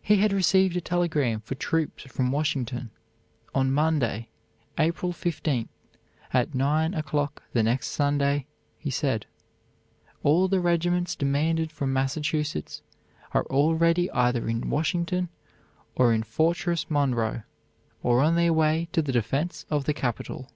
He had received a telegram for troops from Washington on Monday, April 15; at nine o'clock the next Sunday he said: "All the regiments demanded from Massachusetts are already either in Washington, or in Fortress Monroe, or on their way to the defence of the Capitol."